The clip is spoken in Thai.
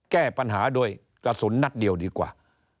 แก้ปัญหาด้วยกระสุนนัดเดียวดีกว่า